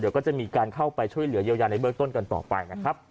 เดี๋ยวก็จะมีการเข้าไปช่วยเหลือเยียวยาในเบื้องต้นกันต่อไปนะครับ